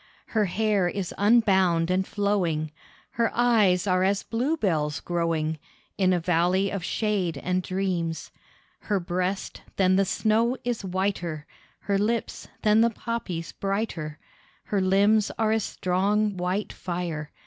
Her hair is unbound and flowing, Her eyes are as bluebells growing In a valley of shade and dreams. Her breast, than the snow is whiter, Her lips, than the poppies brighter, Her limbs are as strong white fire.